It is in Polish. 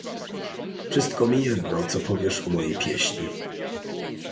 "Wszystko mi jedno, co powiesz o mojej pieśni."